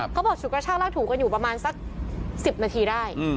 ฉุดกระชากลากถูกันอยู่ประมาณสัก๑๐นาทีได้